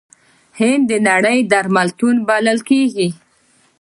هند د نړۍ درملتون بلل کیږي.